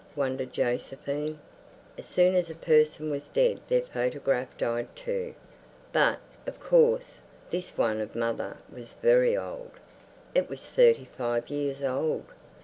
wondered Josephine. As soon as a person was dead their photograph died too. But, of course, this one of mother was very old. It was thirty five years old.